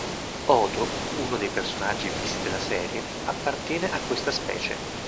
Odo, uno dei personaggi fissi della serie, appartiene a questa specie.